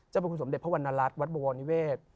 เจ้าบุคคลสมเด็จพระวัณรัฐวัฏบวกวณิเวศ